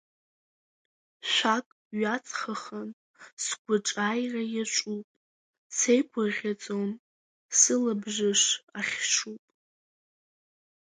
Шәак ҩаҵхахан сгәаҿ аира иаҿуп, сеигәырӷьаӡом, сылабжыш ахьшуп…